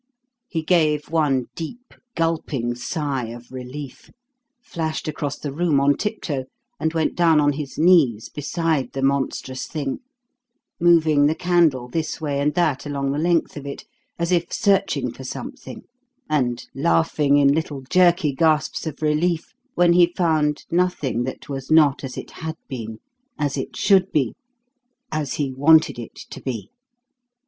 He gave one deep gulping sigh of relief, flashed across the room on tiptoe, and went down on his knees beside the monstrous thing, moving the candle this way and that along the length of it, as if searching for something, and laughing in little jerky gasps of relief when he found nothing that was not as it had been as it should be as he wanted it to be.